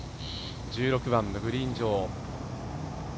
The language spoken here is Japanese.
１６番のグリーン上。